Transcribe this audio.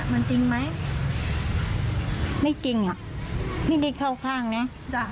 มันจริงไหมไม่จริงอ่ะไม่ได้เข้าข้างนะจ้ะ